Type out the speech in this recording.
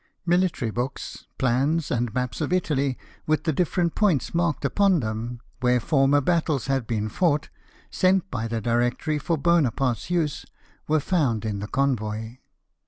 Military books, plans, and maps of Italy, with the different points marked upon them where former battles had been fought, sent by the Directory for Bonaparte's use, were found in the convoy.